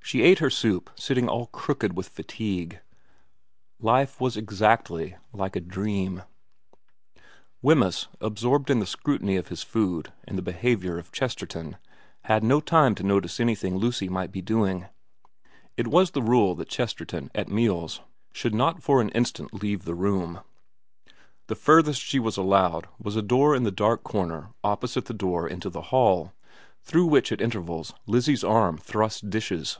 She ate her soup sitting all crooked with fatigue ... life was exactly like a dream Wemyss, absorbed in the scrutiny of his food and the behaviour of Chesterton, had no time to notice anything Lucy might be doing. It was the rule that Chesterton, at meals, should not for an xxv VERA 277 instant leave the room. The furthest she was allowed was a door in the dark corner opposite the door into the hall, through which at intervals Lizzie's arm thrust dishes.